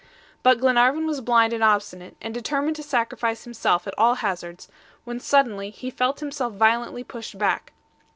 But Glenarvan was blind and obstinate, and determined to sacrifice himself at all hazards, when suddenly he felt himself violently pushed back.